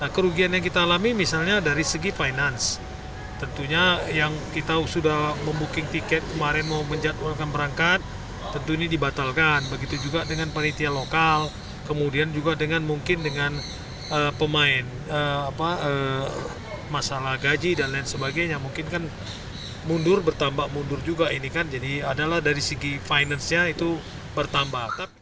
kemudian juga dengan mungkin dengan pemain masalah gaji dan lain sebagainya mungkin kan mundur bertambah mundur juga ini kan jadi adalah dari segi finance nya itu bertambah